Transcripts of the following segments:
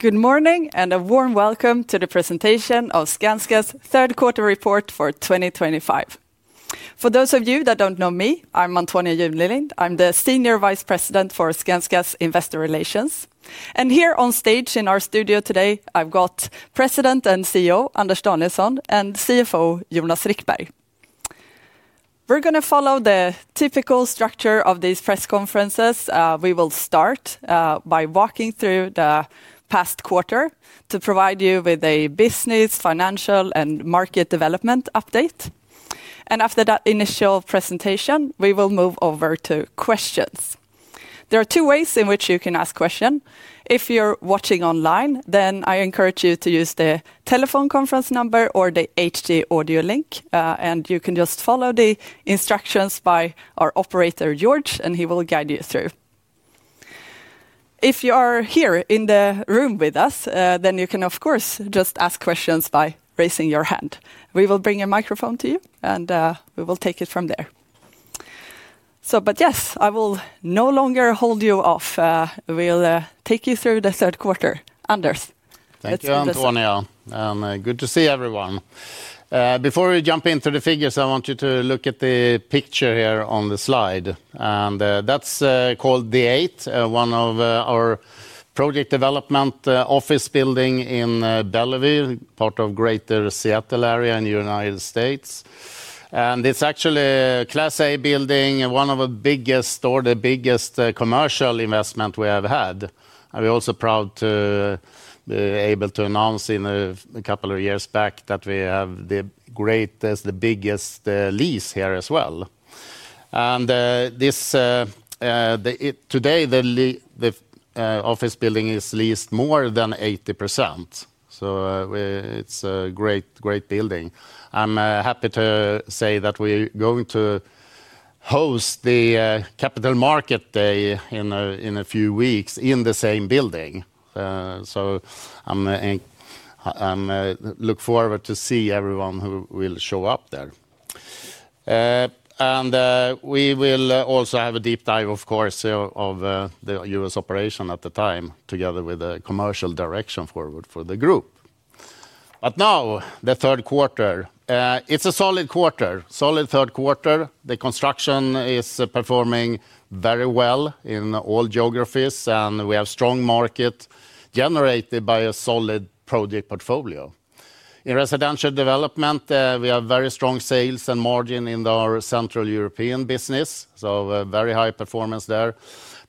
Good morning and a warm welcome to the presentation of Skanska's third quarter report for 2025. For those of you that do not know me, I am Antonia Junelind. I am the Senior Vice President for Skanska's Investor Relations. Here on stage in our studio today, I have President and CEO Anders Danielsson and CFO Jonas Rickberg. We are going to follow the typical structure of these press conferences. We will start by walking through the past quarter to provide you with a business, financial, and market development update, after that initial presentation, we will move over to questions. There are two ways in which you can ask questions. If you are watching online, I encourage you to use the telephone conference number or the HD audio link, and you can just follow the instructions by our operator, George, and he will guide you through. If you are here in the room with us, then you can, of course, just ask questions by raising your hand. We will bring a microphone to you, and we will take it from there. Yes, I will no longer hold you off. We'll take you through the third quarter. Anders. Thank you, Antonia. Good to see everyone. Before we jump into the figures, I want you to look at the picture here on the slide, and that's called D8, one of our project development office buildings in Bellevue, part of the greater Seattle area in the United States. It's actually a Class A building, one of the biggest, or the biggest commercial investments we have had. We're also proud to be able to announce a couple of years back that we have the greatest, the biggest lease here as well. Today, the office building is leased more than 80%. It's a great, great building. I'm happy to say that we're going to host the Capital Market Day in a few weeks in the same building. I'm looking forward to seeing everyone who will show up there. We will also have a deep dive, of course, of the U.S. operation at the time, together with the commercial direction for the group. Now, the third quarter, it's a solid quarter, solid third quarter. The construction is performing very well in all geographies, and we have strong market generated by a solid project portfolio. In residential development, we have very strong sales and margin in our Central European business, so very high performance there.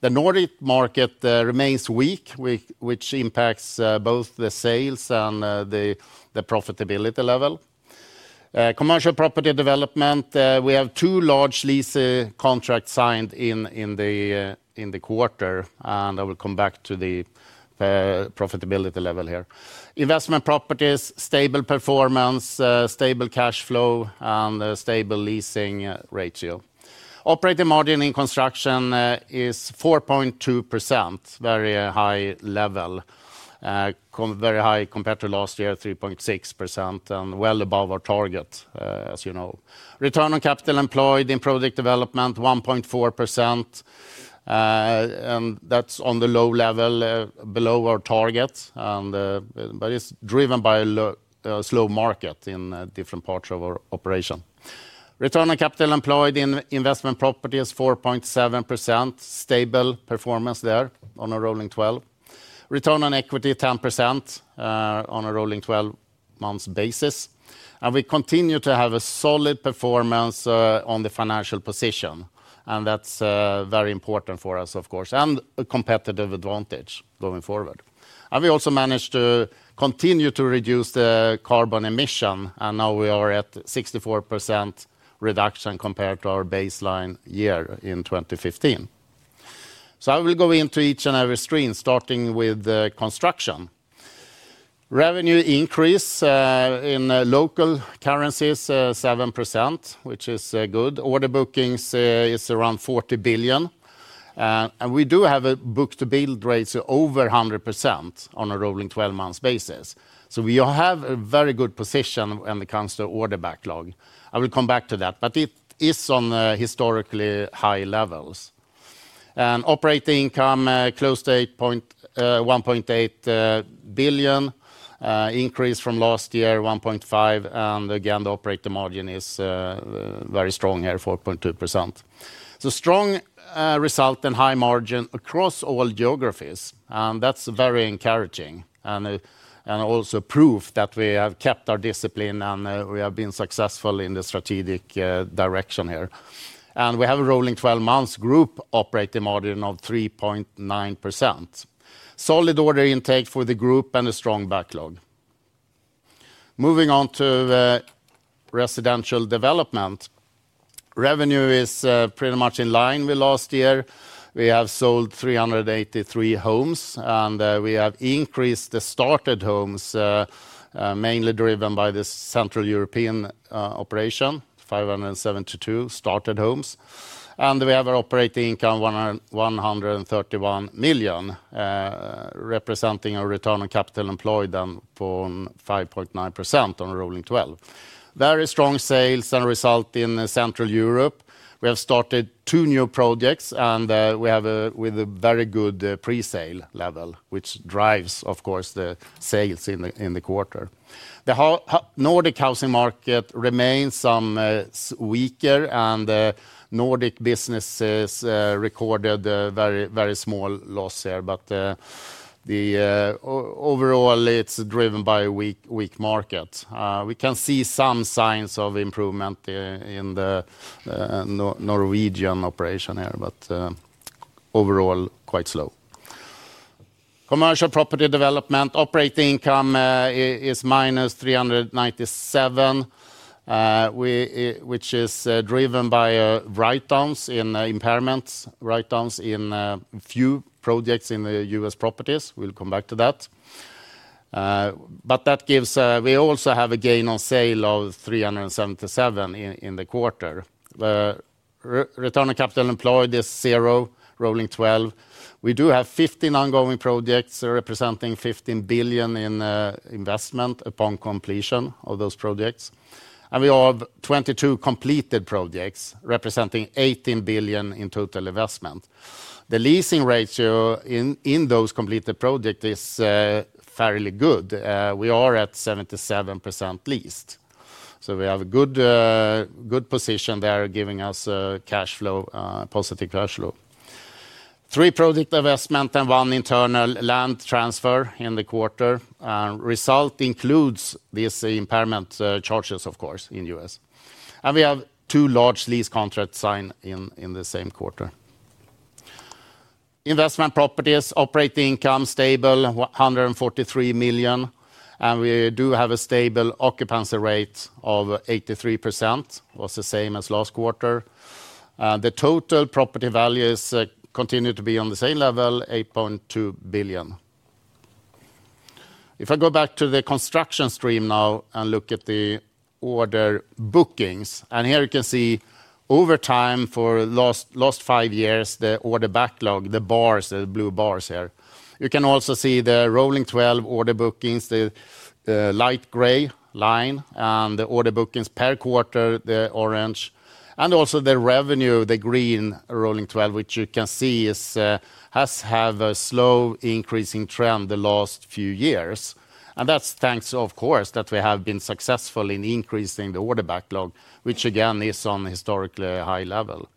The Nordic market remains weak, which impacts both the sales and the profitability level. Commercial property development, we have two large lease contracts signed in the quarter, and I will come back to the profitability level here. Investment properties, stable performance, stable cash flow, and stable leasing ratio. Operating margin in construction is 4.2%, very high level. Very high compared to last year, 3.6%, and well above our target, you know. Return on capital employed in project development, 1.4%. That is on the low level, below our target, but it is driven by a slow market in different parts of our operation. Return on capital employed in investment properties, 4.7%, stable performance there, on a rolling 12. Return on equity, 10% on a rolling 12-month basis. We continue to have a solid performance on the financial position, and that is very important for us, of course, and a competitive advantage going forward. We also managed to continue to reduce the carbon emission, and now we are at 64% reduction compared to our baseline year in 2015. I will go into each and every stream, starting with construction. Revenue increase in local currencies, 7%, which is good. Order bookings is around 40 billion. We do have a book-to-build rate of over 100% on a rolling 12-month basis. We have a very good position when it comes to order backlog. I will come back to that, but it is on historically high levels. Operating income, close to 1.8 billion. Increase from last year, 1.5 billion, and again, the operating margin is very strong here, 4.2%. Strong result and high margin across all geographies, and that is very encouraging and also proof that we have kept our discipline and we have been successful in the strategic direction here. We have a rolling 12-month group operating margin of 3.9%. Solid order intake for the group and a strong backlog. Moving on to residential development. Revenue is pretty much in line with last year. We have sold 383 homes, and we have increased the started homes mainly driven by the Central European operation, 572 started homes. We have an operating income of 131 million representing our return on capital employed and 5.9% on a rolling 12. Very strong sales and result in Central Europe. We have started two new projects, and we have a very good pre-sale level, which drives, of course, the sales in the quarter. The Nordic housing market remains weaker, and Nordic businesses recorded very, very small loss here, but overall, it's driven by a weak market. We can see some signs of improvement in the Norwegian operation here, but overall, quite slow. Commercial property development, operating income is minus 397 million, which is driven by write-downs in impairments, write-downs in few projects in the US properties, we'll come back to that. That gives we also have a gain on sale of 377 million in the quarter. Return on capital employed is zero, rolling 12. We do have 15 ongoing projects representing 15 billion in investment upon completion of those projects. We have 22 completed projects representing 18 billion in total investment. The leasing ratio in those completed projects is fairly good, we are at 77% leased. We have a good position there, giving us a positive cash flow. Three project investments and one internal land transfer in the quarter. Result includes these impairment charges, of course, in the U.S. We have two large lease contracts signed in the same quarter. Investment properties, operating income stable, 143 million. We do have a stable occupancy rate of 83%, which was the same as last quarter. The total property values continue to be on the same level, 8.2 billion. If I go back to the construction stream now and look at the order bookings, here you can see over time for the last five years, the order backlog, the bars, the blue bars here. You can also see the rolling 12 order bookings, the light gray line, and the order bookings per quarter, the orange, and also the revenue, the green rolling 12, which you can see has had a slow increasing trend the last few years. That is thanks, of course, that we have been successful in increasing the order backlog, which again is on a historically high level.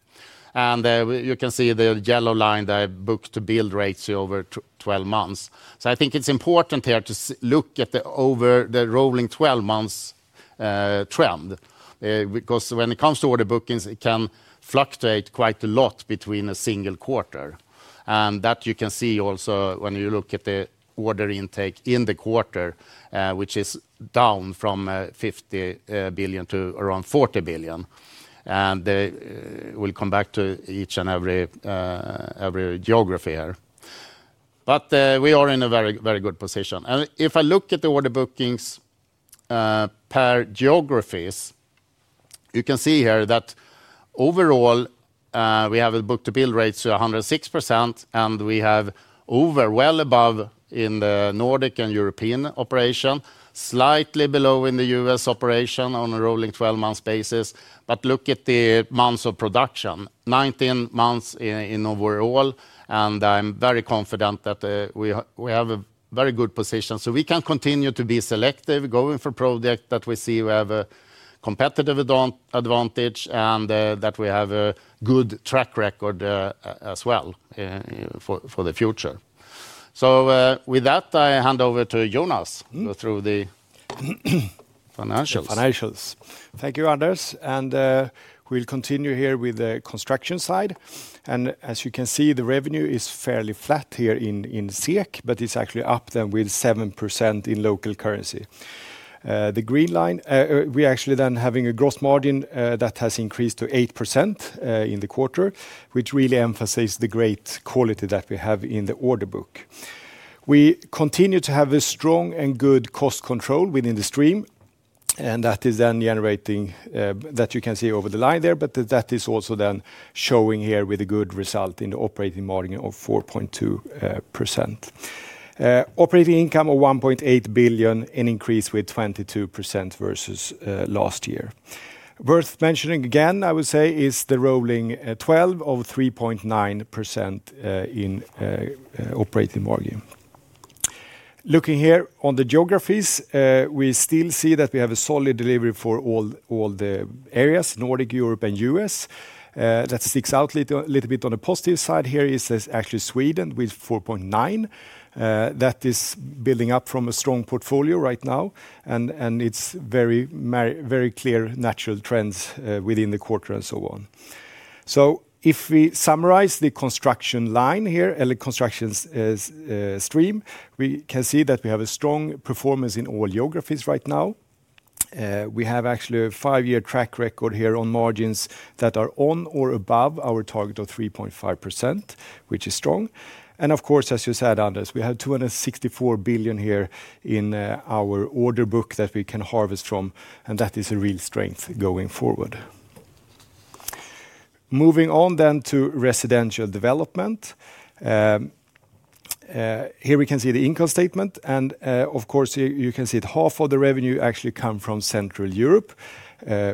You can see the yellow line, the book-to-build ratio over 12 months. I think it is important here to look at the over the rolling 12 months trend because when it comes to order bookings, it can fluctuate quite a lot between a single quarter. That you can see also when you look at the order intake in the quarter, which is down from 50 billion to around 40 billion. We will come back to each and every geography here. We are in a very, very good position. If I look at the order bookings per geographies, you can see here that overall we have a book-to-build ratio of 106%, and we have well above in the Nordic and European operation, slightly below in the U.S. operation on a rolling 12-month basis. Look at the months of production, 19 months overall, and I am very confident that we have a very good position. We can continue to be selective, going for projects that we see we have a competitive advantage and that we have a good track record as well for the future. With that, I hand over to Jonas through the financials. Financials. Thank you, Anders. We will continue here with the construction side. As you can see, the revenue is fairly flat here in SEK, but it is actually up then with 7% in local currency. The green line, we actually then have a gross margin that has increased to 8% in the quarter, which really emphasizes the great quality that we have in the order book. We continue to have strong and good cost control within the stream, and that is then generating that you can see over the line there, but that is also then showing here with a good result in the operating margin of 4.2%. Operating income of 1.8 billion, an increase with 22% versus last year. Worth mentioning again, I would say, is the rolling 12 months of 3.9% in operating margin. Looking here on the geographies, we still see that we have a solid delivery for all the areas, Nordic, Europe, and U.S. What sticks out a little bit on the positive side here is actually Sweden with 4.9%. That is building up from a strong portfolio right now, and it's very, very clear natural trends within the quarter and so on. If we summarize the construction line here, construction stream, we can see that we have a strong performance in all geographies right now. We have actually a five-year track record here on margins that are on or above our target of 3.5%, which is strong. Of course, as you said, Anders, we have 264 billion here in our order book that we can harvest from, and that is a real strength going forward. Moving on then to residential development. Here we can see the income statement, and of course, you can see half of the revenue actually comes from Central Europe,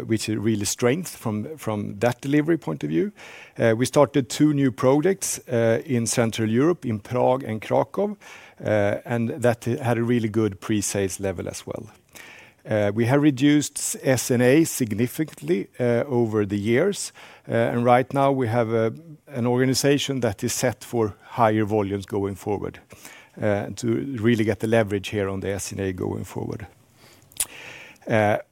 which is really strength from that delivery point of view. We started two new projects in Central Europe, in Prague and Krakow, and that had a really good pre-sales level as well. We have reduced S&A significantly over the years, and right now we have an organization that is set for higher volumes going forward to really get the leverage here on the S&A going forward.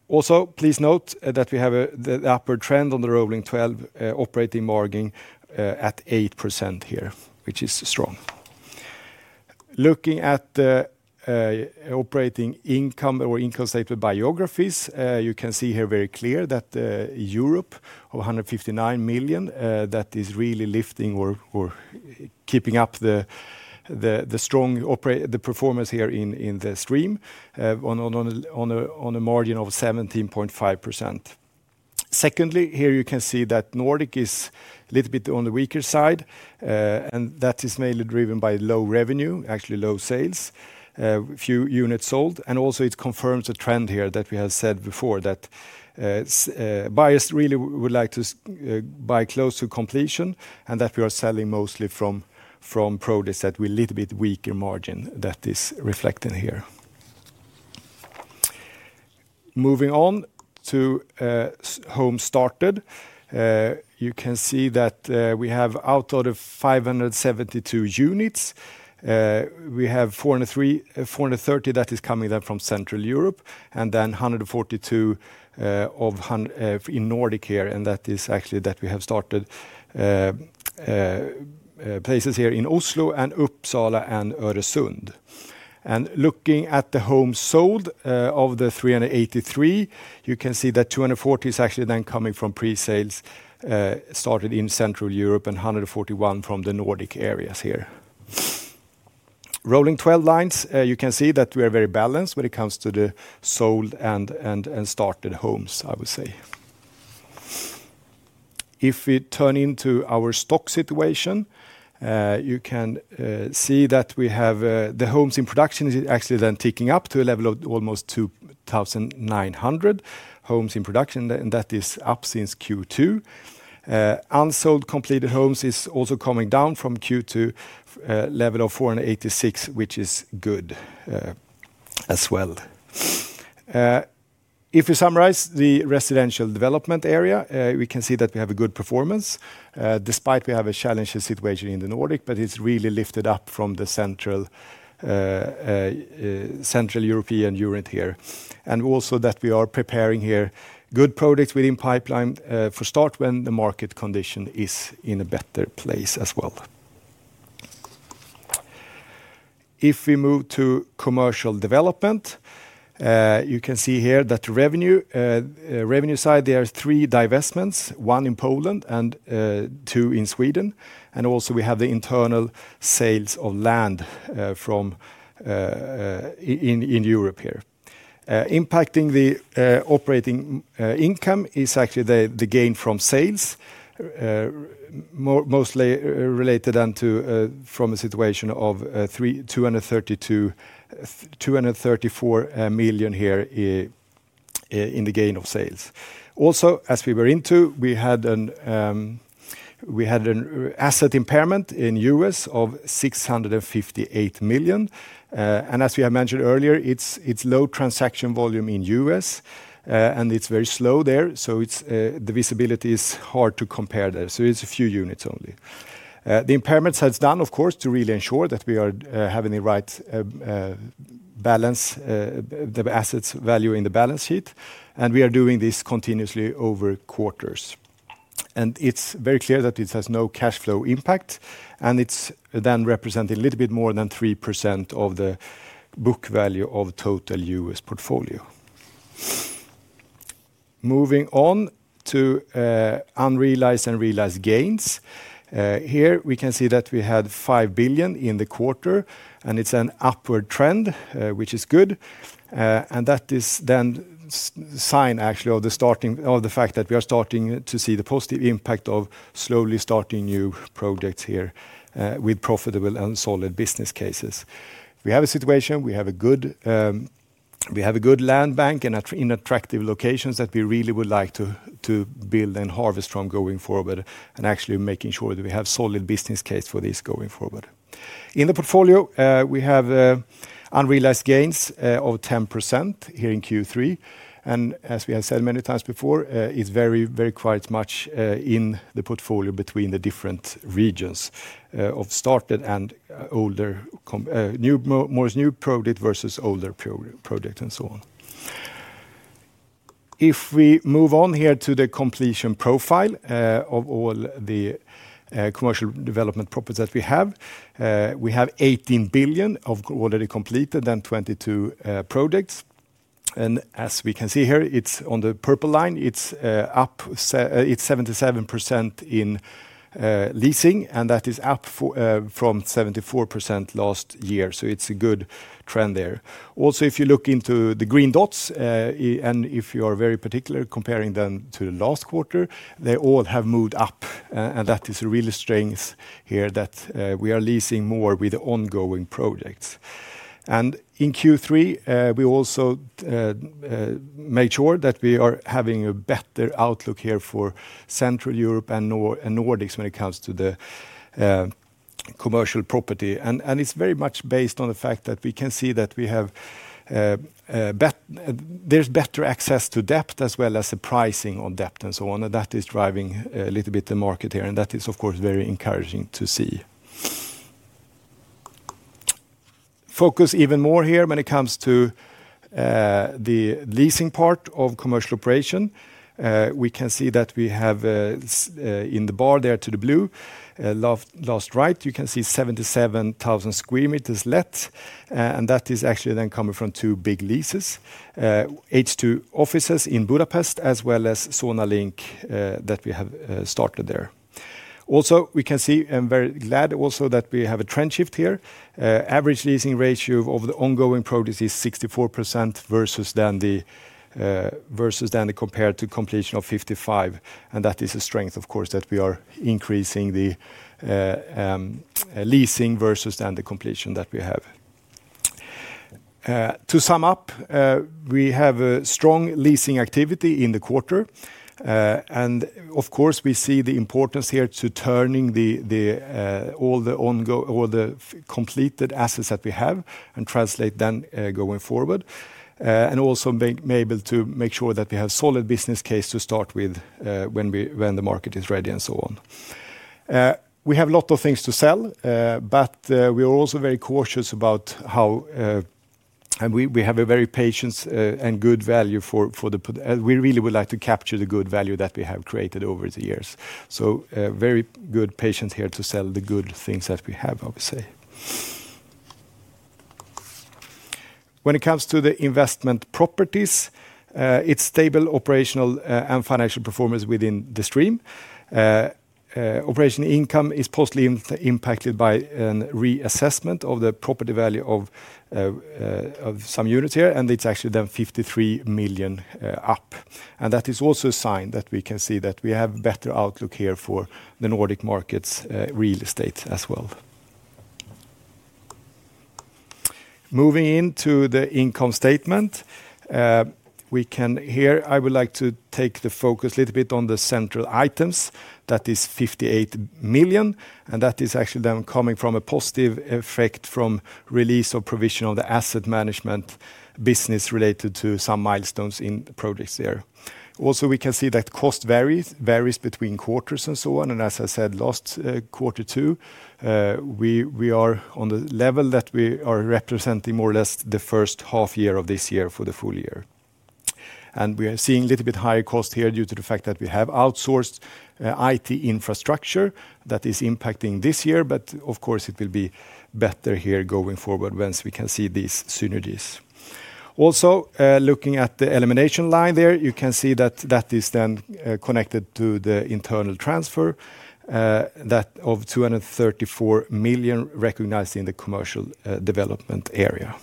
Also, please note that we have the upward trend on the rolling 12 months operating margin at 8% here, which is strong. Looking at operating income or income statement biographies, you can see here very clear that Europe of 159 million, that is really lifting or keeping up the strong performance here in the stream on a margin of 17.5%. Secondly, here you can see that Nordic is a little bit on the weaker side, and that is mainly driven by low revenue, actually low sales. Few units sold, and also it confirms the trend here that we have said before that buyers really would like to buy close to completion and that we are selling mostly from projects that were a little bit weaker margin that is reflected here. Moving on to home started. You can see that we have out of the 572 units, we have 430 that is coming then from Central Europe and then 142 in Nordic here, and that is actually that we have started places here in Oslo and Uppsala and Öresund. Looking at the home sold of the 383, you can see that 240 is actually then coming from pre-sales started in Central Europe and 141 from the Nordic areas here. Rolling 12 lines, you can see that we are very balanced when it comes to the sold and started homes, I would say. If we turn into our stock situation, you can see that we have the homes in production is actually then ticking up to a level of almost 2,900 homes in production, and that is up since Q2. Unsold completed homes is also coming down from Q2. Level of 486, which is good as well. If we summarize the residential development area, we can see that we have a good performance despite we have a challenging situation in the Nordic, but it's really lifted up from the Central European unit here. Also that we are preparing here good projects within pipeline for start when the market condition is in a better place as well. If we move to commercial development, you can see here that the revenue side, there are three divestments, one in Poland and two in Sweden. We also have the internal sales of land from in Europe here. Impacting the operating income is actually the gain from sales, mostly related then to from a situation of 234 million here in the gain of sales. Also, as we were into, we had an asset impairment in U.S. of 658 million. As we have mentioned earlier, it is low transaction volume in U.S., and it is very slow there, so the visibility is hard to compare there. It is a few units only. The impairment is done, of course, to really ensure that we are having the right balance, the assets value in the balance sheet. We are doing this continuously over quarters. It is very clear that it has no cash flow impact, and it is then representing a little bit more than 3% of the book value of the total U.S. portfolio. Moving on to unrealized and realized gains. Here we can see that we had 5 billion in the quarter, and it is an upward trend, which is good. That is then a sign actually of the fact that we are starting to see the positive impact of slowly starting new projects here with profitable and solid business cases. We have a situation, we have a good land bank in attractive locations that we really would like to build and harvest from going forward and actually making sure that we have a solid business case for this going forward. In the portfolio, we have unrealized gains of 10% here in Q3. As we have said many times before, it's very, very quite much in the portfolio between the different regions of new project versus older project and so on. If we move on here to the completion profile of all the commercial development properties that we have, we have 18 billion of already completed and 22 projects. As we can see here, on the purple line, it's up 77% in leasing, and that is up from 74% last year. It's a good trend there. Also, if you look into the green dots, and if you are very particular comparing them to the last quarter, they all have moved up, and that is a real strength here that we are leasing more with ongoing projects. In Q3, we also made sure that we are having a better outlook here for Central Europe and Nordics when it comes to the commercial property. And it's very much based on the fact that we can see that we have better access to debt as well as the pricing on debt and so on, and that is driving a little bit the market here, and that is of course very encouraging to see. Focus even more here when it comes to the leasing part of commercial operation. We can see that we have, in the bar there to the blue, last right, you can see 77,000 sq m left, and that is actually then coming from two big leases. H2 offices in Budapest as well as Sonalink that we have started there. Also, we can see, I'm very glad also that we have a trend shift here average leasing ratio of the ongoing projects is 64% versus then the. Compared to completion of 55%, and that is a strength, of course, that we are increasing the leasing versus then the completion that we have. To sum up, we have a strong leasing activity in the quarter. Of course, we see the importance here to turning all the completed assets that we have and translate then going forward. Also be able to make sure that we have solid business case to start with when the market is ready and so on. We have a lot of things to sell, but we are also very cautious about how. We have a very patient and good value for the we really would like to capture the good value that we have created over the years. Very good patience here to sell the good things that we have, I would say. When it comes to the investment properties, it is stable operational and financial performance within the stream. Operating income is possibly impacted by a reassessment of the property value of some units here, and it is actually then 53 million up. That is also a sign that we can see that we have a better outlook here for the Nordic markets real estate as well. Moving into the income statement. Here I would like to take the focus a little bit on the central items, that is 58 million, and that is actually then coming from a positive effect from release of provision of the asset management business related to some milestones in projects there. Also, we can see that cost varies between quarters and so on, and as I said, last quarter too. We are on the level that we are representing more or less the first half year of this year for the full year. We are seeing a little bit higher cost here due to the fact that we have outsourced IT infrastructure that is impacting this year, but of course it will be better here going forward once we can see these synergies. Also, looking at the elimination line there, you can see that that is then connected to the internal transfer. That of 234 million recognized in the commercial development area.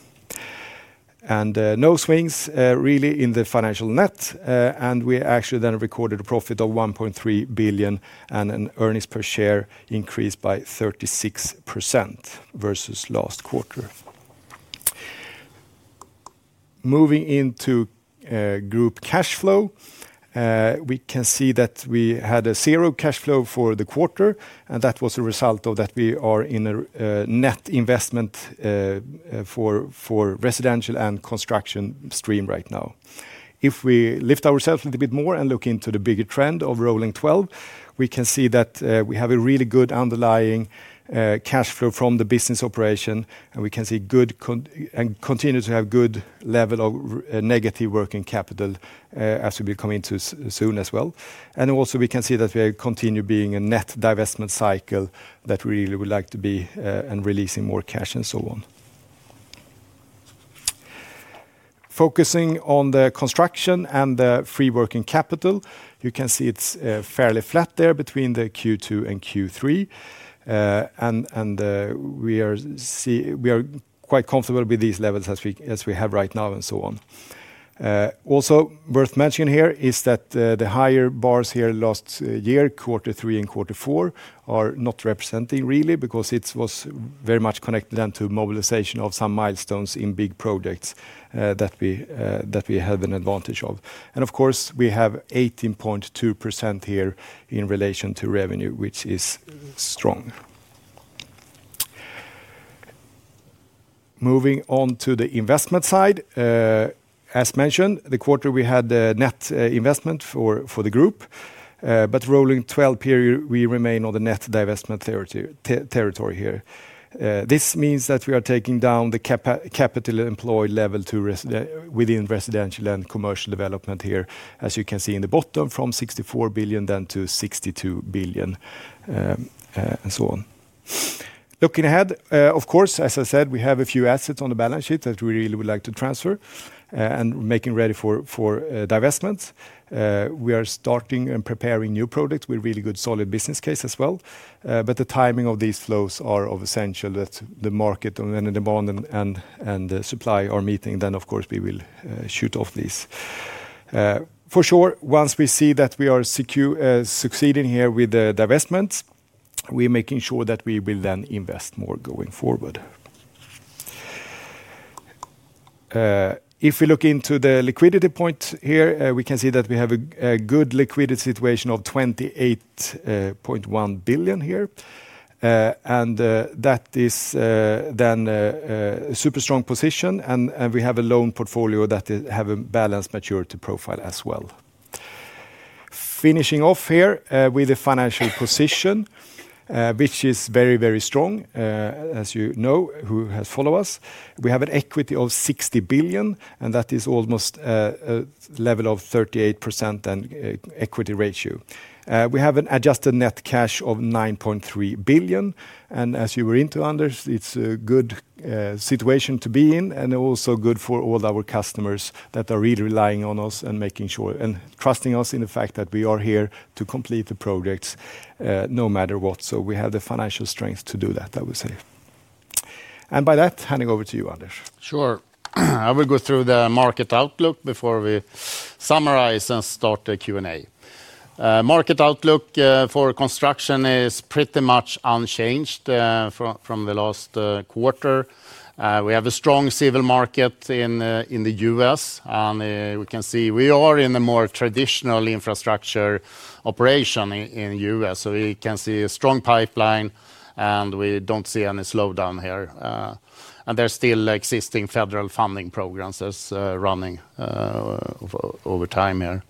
No swings really in the financial net, and we actually then recorded a profit of 1.3 billion and an earnings per share increase by 36% versus last quarter. Moving into group cash flow. We can see that we had a zero cash flow for the quarter, and that was a result of that we are in a net investment for residential and construction stream right now. If we lift ourselves a little bit more and look into the bigger trend of rolling 12, we can see that we have a really good underlying cash flow from the business operation, and we can see good and continue to have good level of negative working capital as we become into soon as well. Also we can see that we continue being a net divestment cycle that we really would like to be and releasing more cash and so on. Focusing on the construction and the free working capital, you can see it's fairly flat there between the Q2 and Q3. We are quite comfortable with these levels as we have right now and so on. Also worth mentioning here is that the higher bars here last year, quarter three and quarter four, are not representing really because it was very much connected then to mobilization of some milestones in big projects that we have an advantage of. Of course, we have 18.2% here in relation to revenue, which is strong. Moving on to the investment side, as mentioned, the quarter we had the net investment for the group but rolling 12 months period, we remain on the net divestment territory here. This means that we are taking down the capital employed level within residential and commercial development here, as you can see in the bottom from 64 billion then to 62 billion and so on. Looking ahead, of course, as I said, we have a few assets on the balance sheet that we really would like to transfer and making ready for divestment. We are starting and preparing new projects with really good solid business case as well, but the timing of these flows are of essential that the market and the bond and the supply are meeting and of course, we will shoot off these. For sure, once we see that we are succeeding here with the divestments, we are making sure that we will then invest more going forward. If we look into the liquidity point here, we can see that we have a good liquidity situation of 28.1 billion here. That is then a super strong position, and we have a loan portfolio that has a balanced maturity profile as well. Finishing off here with the financial position which is very, very strong as you know, who has followed us. We have an equity of 60 billion, and that is almost a level of 38% then equity ratio. We have an adjusted net cash of 9.3 billion, and as you were into, Anders, it's a good situation to be in and also good for all our customers that are really relying on us and making sure and trusting us in the fact that we are here to complete the projects no matter what. We have the financial strength to do that, I would say. By that, handing over to you, Anders. Sure. I will go through the market outlook before we summarize and start the Q&A. Market outlook for construction is pretty much unchanged from the last quarter. We have a strong civil market in the U.S., and we can see we are in a more traditional infrastructure operation in the U.S. We can see a strong pipeline, and we do not see any slowdown here. There are still existing federal funding programs that are running over time here.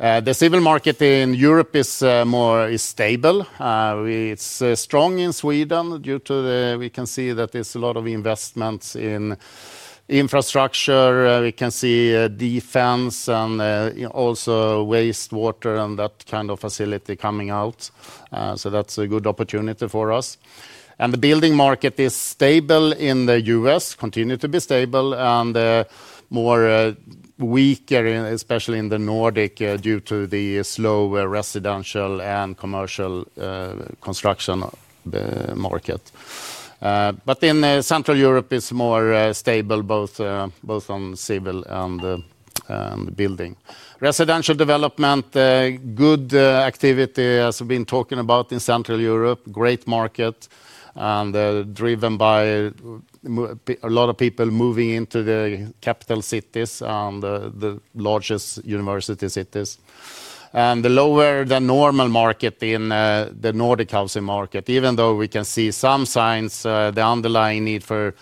The civil market in Europe is more stable. It is strong in Sweden due to the, we can see that there is a lot of investment in infrastructure. We can see defense and also wastewater and that kind of facility coming out, so that is a good opportunity for us. The building market is stable in the U.S., continues to be stable, and more, weaker, especially in the Nordic due to the slow residential and commercial construction market. In Central Europe, it is more stable both on civil and building. Residential development, good activity as we've been talking about in Central Europe, great market. Driven by a lot of people moving into the capital cities and the largest university cities, and the lower than normal market in the Nordic housing market, even though we can see some signs, the underlying need for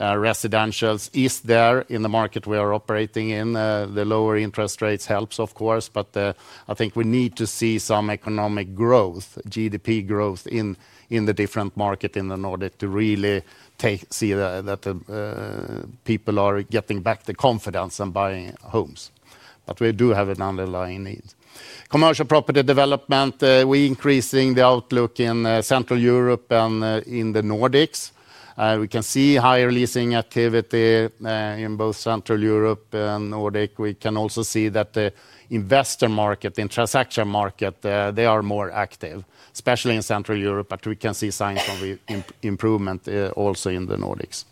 residential is there in the market we are operating in. The lower interest rates help, of course, but I think we need to see some economic growth, GDP growth in the different market in the Nordic to really see that people are getting back the confidence and buying homes. We do have an underlying need. Commercial property development, we're increasing the outlook in Central Europe and in the Nordics. We can see higher leasing activity in both Central Europe and Nordic. We can also see that the investor market, the transaction market, they are more active, especially in Central Europe, but we can see signs of improvement also in the Nordics.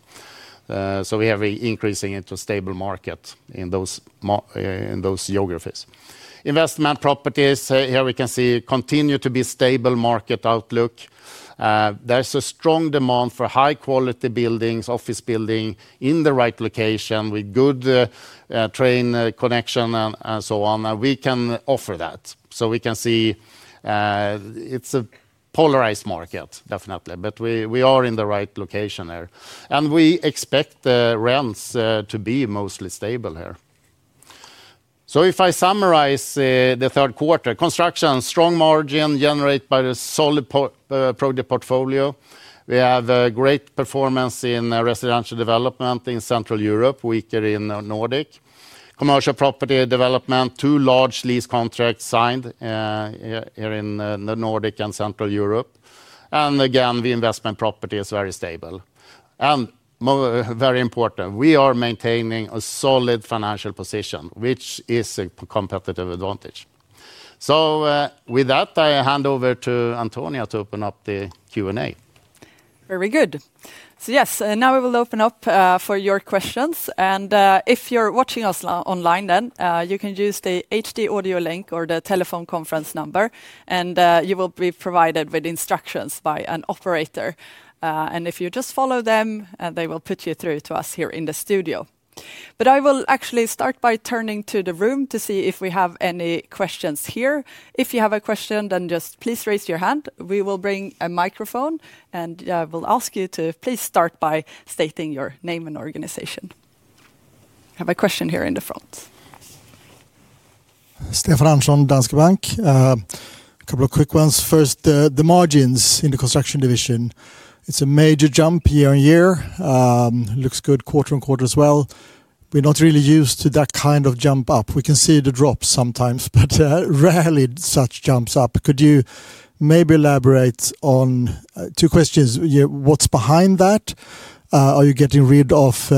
We have an increasing into stable market in those geographies. Investment properties, here we can see continue to be stable market outlook. There is a strong demand for high quality buildings, office building in the right location with good train connection and so on, and we can offer that. We can see it is a polarized market, definitely, but we are in the right location here. We expect the rents to be mostly stable here. If I summarize the third quarter, construction, strong margin generated by the solid project portfolio. We have great performance in residential development in Central Europe, weaker in Nordic. Commercial property development, two large lease contracts signed here in the Nordic and Central Europe. Again, the investment property is very stable. Very important, we are maintaining a solid financial position, which is a competitive advantage. With that, I hand over to Antonia to open up the Q&A. Very good. Yes, now we will open up for your questions. If you are watching us online, you can use the HD audio link or the telephone conference number, and you will be provided with instructions by an operator. If you just follow them, they will put you through to us here in the studio. I will actually start by turning to the room to see if we have any questions here. If you have a question, just please raise your hand. We will bring a microphone, and I will ask you to please start by stating your name and organization. I have a question here in the front. Stefan Andersson, Danske Bank. A couple of quick ones. First, the margins in the construction division. It's a major jump year-on-year, looks good quarter-on-quarter as well. We're not really used to that kind of jump up. We can see the drops sometimes, but rarely such jumps up. Could you maybe elaborate on two questions, what's behind that? Are you getting rid of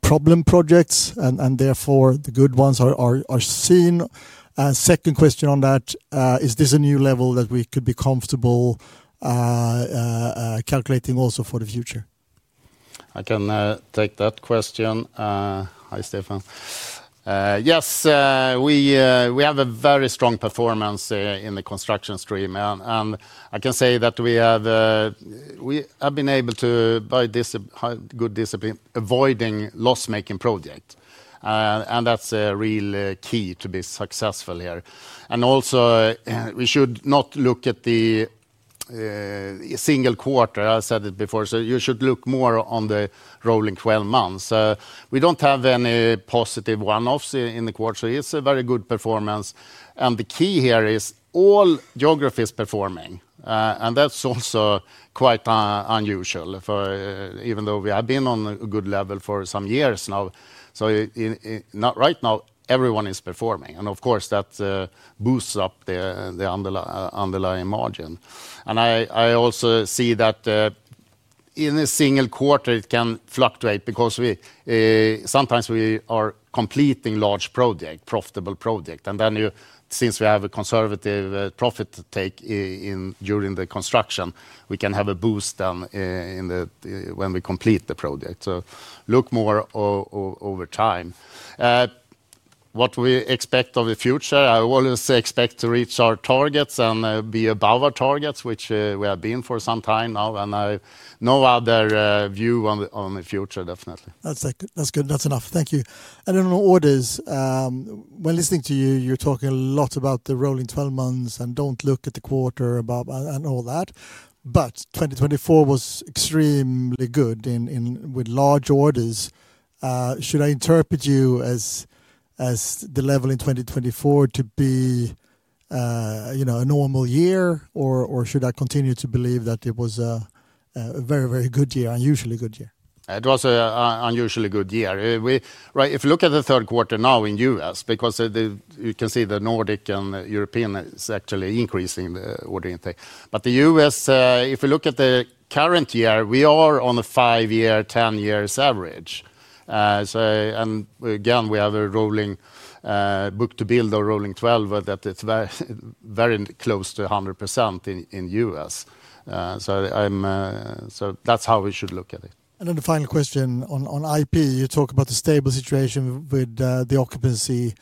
problem projects and therefore the good ones are seen? Second question on that, is this a new level that we could be comfortable calculating also for the future? I can take that question. Hi, Stefan. Yes, we have a very strong performance in the construction stream, and I can say that we have been able to, by good discipline, avoiding loss-making projects. And that's a real key to be successful here. Also, we should not look at the single quarter, as I said it before, you should look more on the rolling 12 months. We do not have any positive one-offs in the quarter, so it is a very good performance. The key here is all geographies performing, and that is also quite unusual, even though we have been on a good level for some years now. Right now, everyone is performing, and of course, that boosts up the underlying margin. I also see that in a single quarter, it can fluctuate because sometimes we are completing large projects, profitable projects. Since we have a conservative profit take during the construction, we can have a boost when we complete the project. Look more over time. What we expect of the future, I always expect to reach our targets and be above our targets, which we have been for some time now. I have no other view on the future, definitely. That's good. That's enough. Thank you. On orders, when listening to you, you're talking a lot about the rolling 12 months and don't look at the quarter and all that but 2024 was extremely good with large orders. Should I interpret you as the level in 2024 to be a normal year, or should I continue to believe that it was a very, very good year, unusually good year? It was an unusually good year. If you look at the third quarter now in the U.S., because you can see the Nordic and European is actually increasing the ordering thing. The U.S., if you look at the current year, we are on a five-year, 10-year average. Again, we have a rolling book-to-build, a rolling 12 months that is very close to 100% in the U.S. That's how we should look at it. The final question on IP, you talk about the stable situation with the occupancy.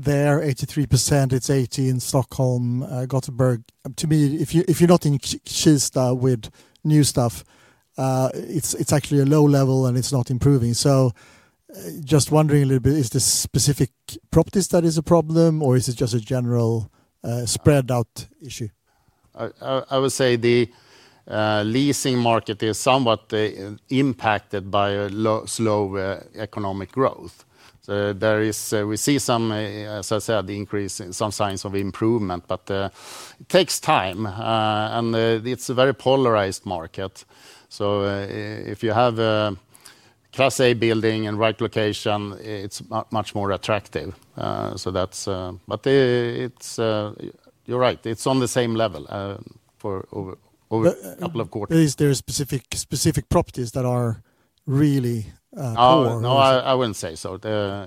There, 83%, it's 80% in Stockholm, Gothenburg. To me, if you're not in Kista with new stuff, it's actually a low level and it's not improving. Just wondering a little bit, is it specific properties that are a problem, or is it just a general spread out issue? I would say the leasing market is somewhat impacted by slow economic growth. We see some, as I said, increase in some signs of improvement, but it takes time. It's a very polarized market. If you have a class A building in the right location, it's much more attractive. You're right, it's on the same level for a couple of quarters. Is there specific properties that are really poor? No, I wouldn't say so.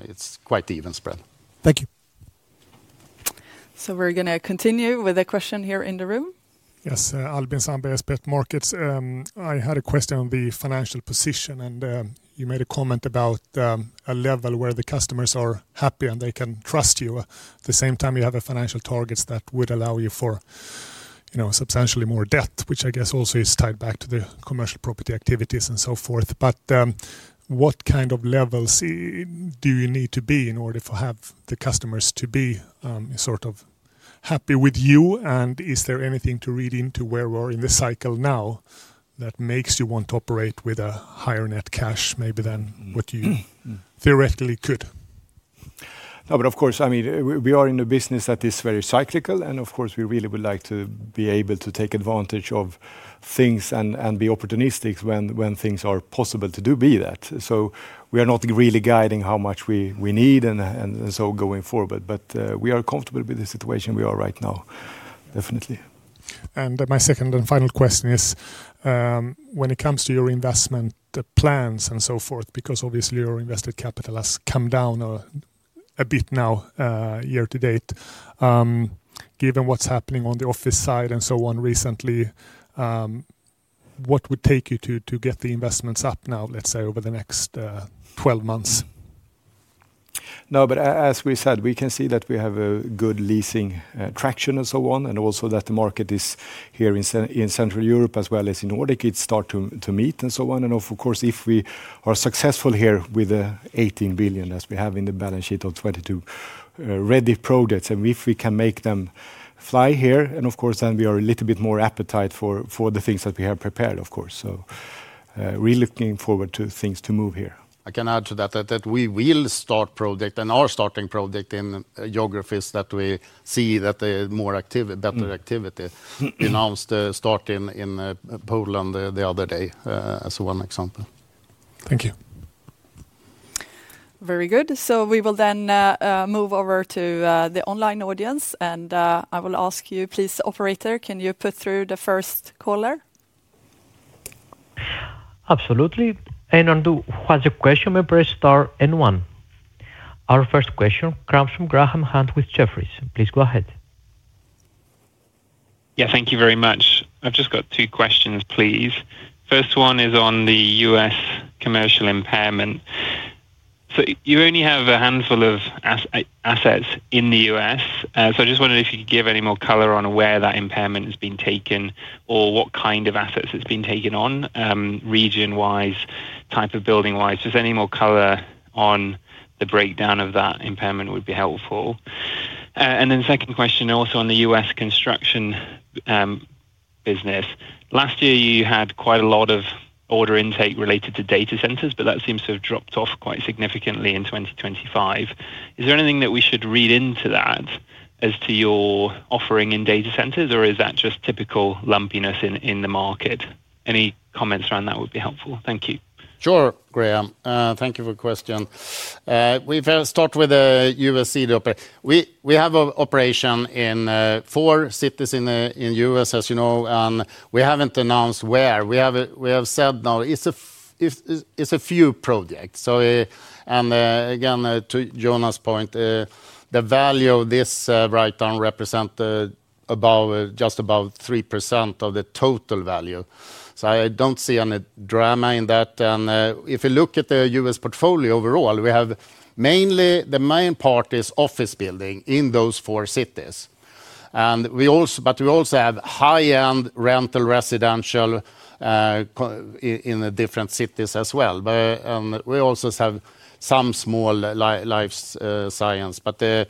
It's quite even spread. Thank you. We're going to continue with a question here in the room. Yes, [Albin Sandberg], Spot Markets. I had a question on the financial position, and you made a comment about a level where the customers are happy and they can trust you. At the same time, you have financial targets that would allow you for substantially more debt, which I guess also is tied back to the commercial property activities and so forth. What kind of levels do you need to be in order to have the customers to be sort of happy with you? Is there anything to read into where we are in the cycle now that makes you want to operate with a higher net cash, maybe than what you theoretically could? No, but of course, I mean, we are in a business that is very cyclical, and of course, we really would like to be able to take advantage of things and be opportunistic when things are possible to do that. We are not really guiding how much we need and going forward, but we are comfortable with the situation we are right now, definitely. My second and final question is, when it comes to your investment plans and so forth, because obviously your invested capital has come down a bit now year-to-date. Given what's happening on the office side and so on recently, what would take you to get the investments up now, let's say, over the next 12 months? No, but as we said, we can see that we have a good leasing traction and so on, and also that the market is here in Central Europe as well as in Nordic. It starts to meet and so on. Of course, if we are successful here with the 18 billion that we have in the balance sheet of 22 ready projects, and if we can make them fly here, of course, then we are a little bit more appetite for the things that we have prepared, of course. We are looking forward to things to move here. I can add to that that we will start project and are starting project in geographies that we see that they have better activity. We announced the start in Poland the other day, as one example. Thank you. Very good. We will then move over to the online audience, and I will ask you, please, operator, can you put through the first caller? Absolutely. Anyone who has a question may press star and one. Our first question comes from Graham Hunt with Jefferies. Please go ahead. Yeah, thank you very much. I've just got two questions, please. First one is on the U.S. commercial impairment. You only have a handful of assets in the U.S., so I just wondered if you could give any more color on where that impairment has been taken or what kind of assets it's been taken on region-wise, type of building-wise, just any more color on the breakdown of that impairment would be helpful. And then second question also on the U.S. construction business. Last year, you had quite a lot of order intake related to data centers, but that seems to have dropped off quite significantly in 2025. Is there anything that we should read into that as to your offering in data centers, or is that just typical lumpiness in the market? Any comments around that would be helpful. Thank you. Sure, Graham. Thank you for the question. We've started with a U.S. operation. We have an operation in four cities in U.S., as you know, and we haven't announced where. We have said now it's a few projects. And again, to Jonas's point, the value of this right now represents just about 3% of the total value. I don't see any drama in that. If you look at the U.S. portfolio overall, the main part is office building in those four cities. We also have high-end rental residential in different cities as well. We also have some small life science, but the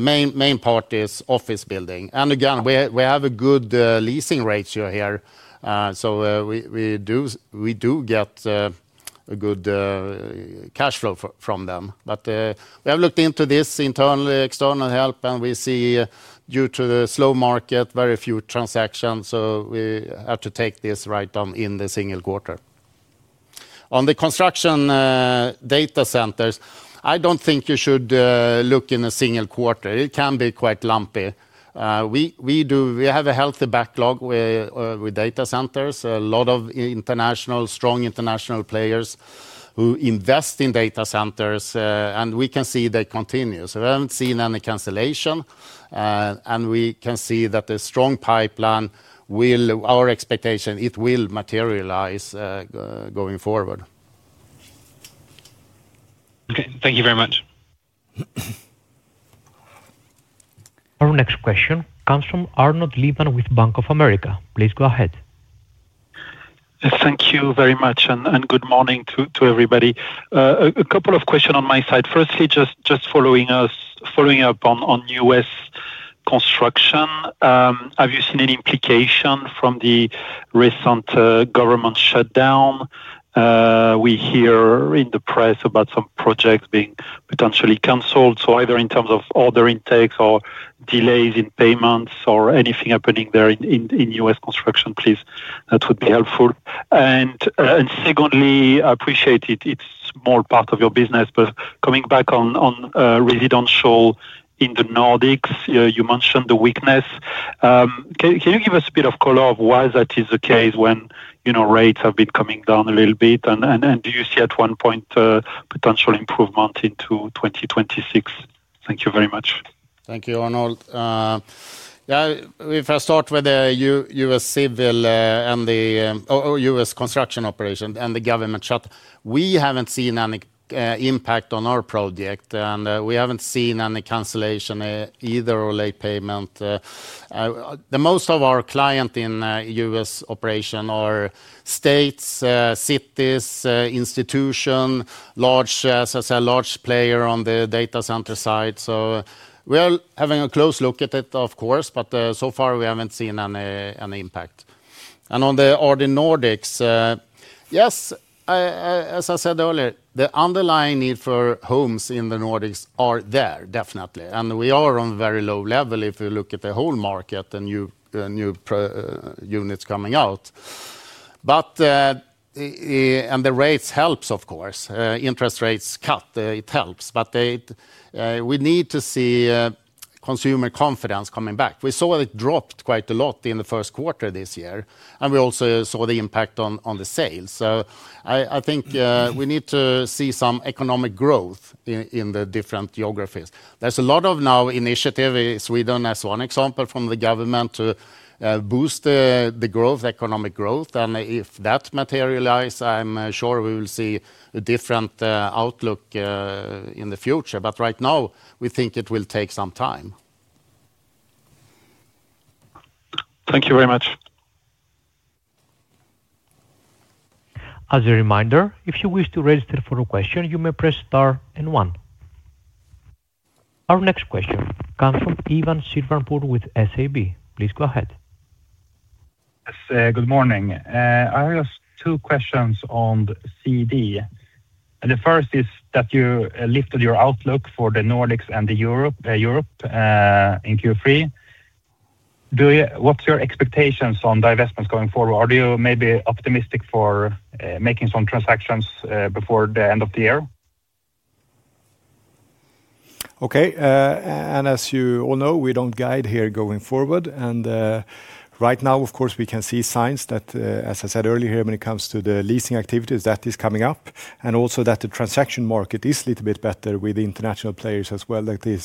main part is office building. Again, we have a good leasing ratio here, so we do get a good cash flow from them. We have looked into this with internal and external help, and we see due to the slow market, very few transactions. We had to take this write-down in the single quarter. On the construction, data centers, I do not think you should look in a single quarter. It can be quite lumpy. We have a healthy backlog with data centers, a lot of strong international players who invest in data centers, and we can see they continue. We have not seen any cancellation, and we can see that the strong pipeline will, our expectation, it will materialize going forward. Okay, thank you very much. Our next question comes from [Arno Glithan] with Bank of America. Please go ahead. Thank you very much and good morning to everybody. A couple of questions on my side. Firstly, just following up on U.S. construction. Have you seen any implication from the recent government shutdown? We hear in the press about some projects being potentially canceled. Either in terms of order intakes or delays in payments or anything happening there in U.S. construction, please, that would be helpful. Secondly, I appreciate it is a small part of your business, but coming back on residential in the Nordics, you mentioned the weakness. Can you give us a bit of color of why that is the case when rates have been coming down a little bit? Do you see at one point potential improvement into 2026? Thank you very much. Thank you, Arnold. Yeah, if I start with the U.S. civil construction operation and the government shut, we haven't seen any impact on our project, and we haven't seen any cancellation either or late payment. Most of our clients in U.S. operation are states, cities, institutions, large, as I said, large player on the data center side. We are having a close look at it, of course, but so far we haven't seen any impact. On the Nordics, yes, as I said earlier, the underlying need for homes in the Nordics are there, definitely. We are on a very low level if you look at the whole market and new units coming out and the rates help, of course. Interest rates cut, it helps, but we need to see consumer confidence coming back. We saw it dropped quite a lot in the first quarter this year, and we also saw the impact on the sales. I think we need to see some economic growth in the different geographies. There is a lot of now initiative in Sweden, as one example from the government to boost the growth, economic growth. If that materializes, I am sure we will see a different outlook in the future. Right now, we think it will take some time. Thank you very much. As a reminder, if you wish to register for a question, you may press star and one. Our next question comes from Ivan Silverborn with SEB. Please go ahead. Good morning. I have just two questions on CD. The first is that you lifted your outlook for the Nordics and Europe in Q3. What is your expectation on divestments going forward? Are you maybe optimistic for making some transactions before the end of the year? Okay. As you all know, we do not guide here going forward. Right now, of course, we can see signs that, as I said earlier, when it comes to the leasing activities, that is coming up. Also, the transaction market is a little bit better with international players as well that are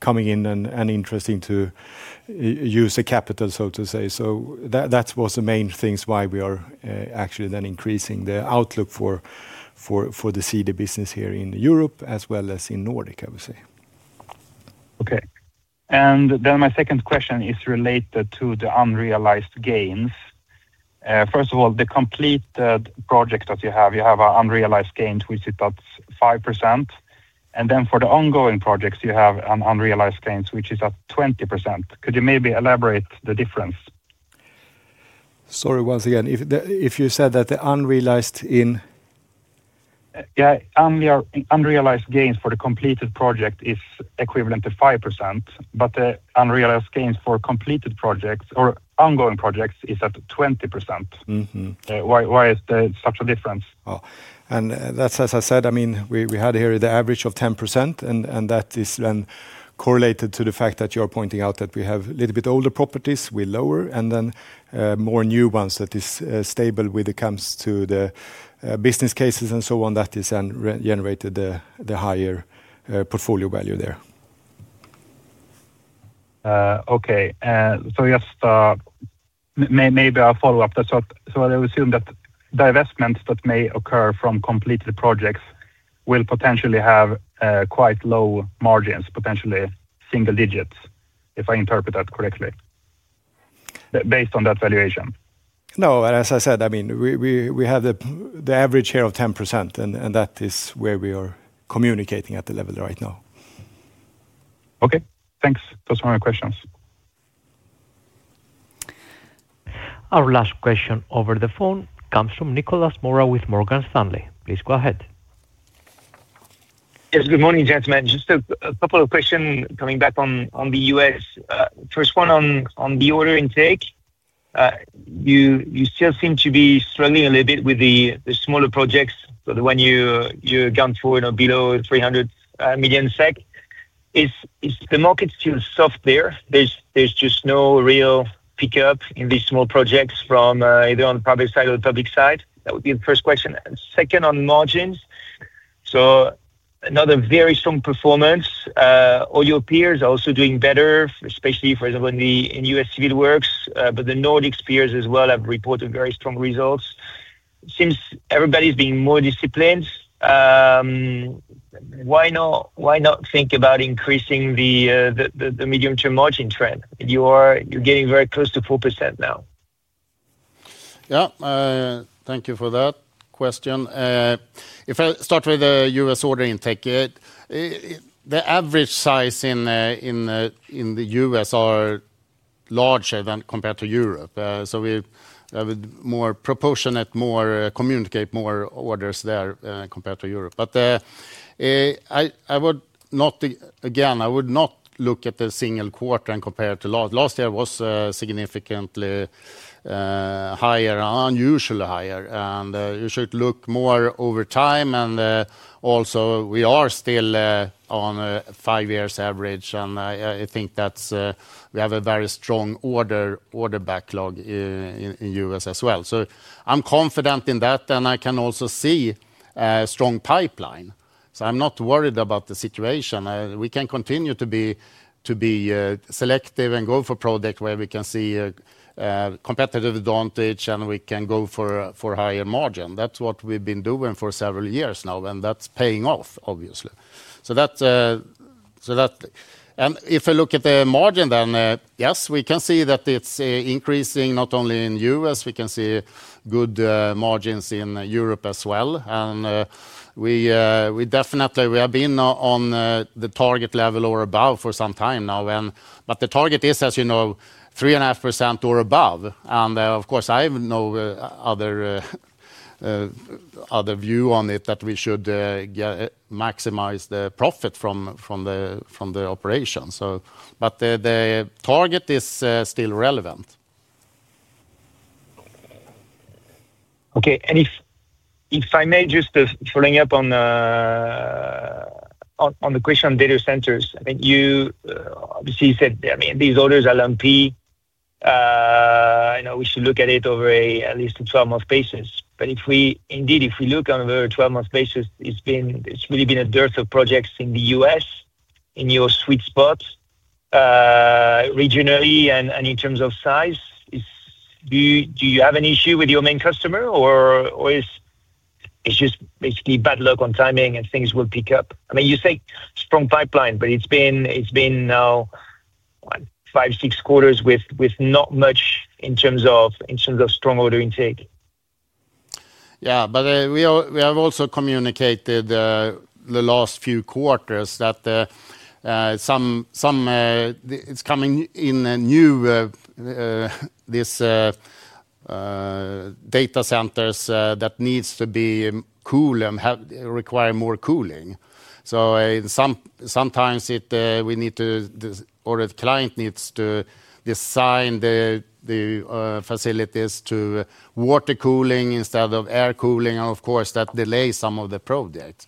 coming in and interesting to use the capital, so to say. That was the main reason why we are actually then increasing the outlook for the CD business here in Europe as well as in Nordic, I would say. Okay. My second question is related to the unrealized gains. First of all, the completed project that you have, you have an unrealized gain which is at 5% and then for the ongoing projects, you have an unrealized gain which is at 20%. Could you maybe elaborate the difference? Sorry, once again, if you said that the unrealized in? Yeah, unrealized gains for the completed project is equivalent to 5%, but the unrealized gains for completed projects or ongoing projects is at 20%. Why is there such a difference? That is, as I said, I mean, we had here the average of 10%, and that is then correlated to the fact that you're pointing out that we have a little bit older properties, we lower, and then more new ones that is stable when it comes to the business cases and so on, that is then generated the higher portfolio value there. Okay. Just maybe I'll follow up. I assume that divestments that may occur from completed projects will potentially have quite low margins, potentially single digits, if I interpret that correctly. Based on that valuation. No, as I said, I mean, we have the average here of 10%, and that is where we are communicating at the level right now. Okay. Thanks. Those were my questions. Our last question over the phone comes from Nicholas Mora with Morgan Stanley. Please go ahead. Yes, good morning, gentlemen. Just a couple of questions coming back on the U.S. First one on the order intake. You still seem to be struggling a little bit with the smaller projects, but when you have gone forward below 300 million SEK. Is the market still soft there? There is just no real pickup in these small projects from either on the public side or the public side. That would be the first question. Second, on margins. So another very strong performance. All your peers are also doing better, especially, for example, in U.S. Civil Works, but the Nordics peers as well have reported very strong results. It seems everybody's being more disciplined. Why not think about increasing the medium-term margin trend? You're getting very close to 4% now. Yeah. Thank you for that question. If I start with the U.S. order intake, the average size in the U.S. are larger than compared to Europe. So we have more proportionate, more communicate, more orders there compared to Europe. Again, I would not look at the single quarter and compare it to last year. Last year was significantly higher, unusually higher, and you should look more over time. Also, we are still on a five-year average, and I think that we have a very strong order backlog in the U.S. as well. I'm confident in that. I can also see a strong pipeline. I'm not worried about the situation. We can continue to be selective and go for projects where we can see competitive advantage, and we can go for higher margin. That's what we've been doing for several years now, and that's paying off, obviously. If I look at the margin then, yes, we can see that it's increasing not only in the U.S. we can see good margins in Europe as well. Definitely, we have been on the target level or above for some time now. The target is, as you know, 3.5% or above. Of course, I have no other view on it that we should maximize the profit from the operation, but the target is still relevant. Okay. If I may just follow up on the question on data centers, I think you obviously said, I mean, these orders are lumpy. We should look at it over at least a 12-month basis. I mean, if we look on a 12-month basis, it's really been a dearth of projects in the U.S., in your sweet spots. Regionally, and in terms of size. Do you have an issue with your main customer, or is it just basically bad luck on timing and things will pick up? I mean, you say strong pipeline, but it's been now five, six quarters with not much in terms of strong order intake. Yeah, we have also communicated the last few quarters that some, it's coming in new, data centers that need to be cool and require more cooling. Sometimes we need to, or the client needs to, design the facilities to water cooling instead of air cooling. Of course, that delays some of the projects.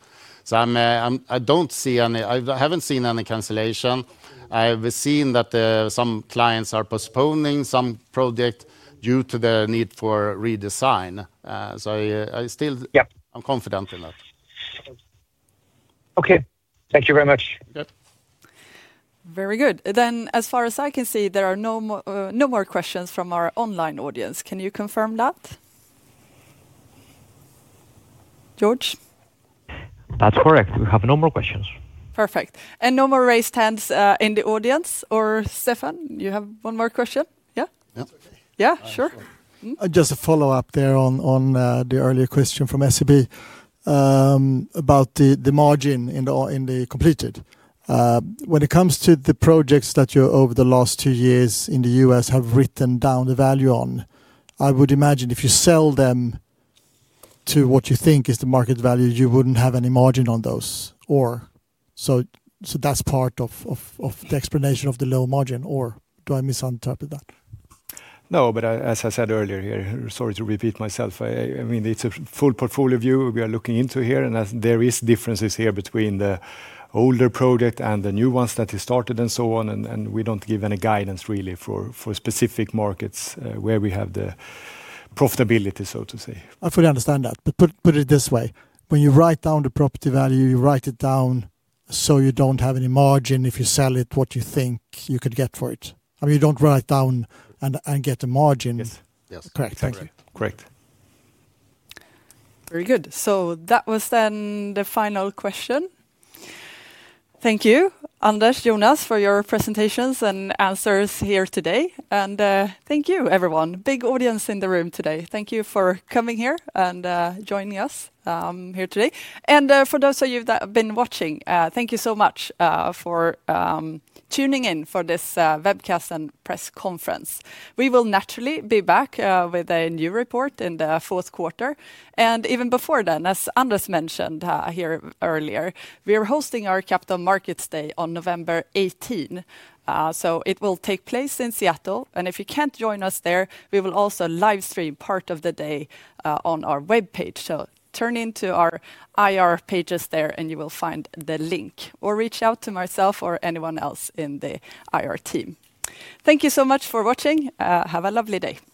I do not see any, I have not seen any cancellation. I have seen that some clients are postponing some projects due to the need for redesign. I am confident in that. Okay. Thank you very much. Very good. As far as I can see, there are no more questions from our online audience. Can you confirm that, George? That is correct. We have no more questions. Perfect. No more raised hands in the audience. Stefan, you have one more question? Yeah? Yeah, sure. Just a follow-up there on the earlier question from SEB about the margin in the completed. When it comes to the projects that you over the last two years in the U.S. have written down the value on, I would imagine if you sell them to what you think is the market value, you would not have any margin on those. That is part of the explanation of the low margin, or do I misinterpret that? No, but as I said earlier, sorry to repeat myself, I mean, it is a full portfolio view we are looking into here. There are differences here between the older project and the new ones that have started and so on. We do not give any guidance really for specific markets where we have the profitability, so to say. I fully understand that. Put it this way. When you write down the property value, you write it down so you do not have any margin if you sell it, what you think you could get for it. I mean, you do not write down and get a margin. Thank you. Correct. Very good. That was then the final question. Thank you, Anders, Jonas, for your presentations and answers here today. Thank you, everyone. Big audience in the room today. Thank you for coming here and joining us here today. For those of you that have been watching, thank you so much for tuning in for this webcast and press conference. We will naturally be back with a new report in the fourth quarter. Even before then, as Anders mentioned here earlier, we are hosting our Capital Markets Day on November 18. It will take place in Seattle. If you cannot join us there, we will also livestream part of the day on our web page. Turn into our IR pages there and you will find the link. Or reach out to myself or anyone else in the IR team. Thank you so much for watching. Have a lovely day.